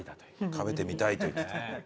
食べてみたいと言ってた。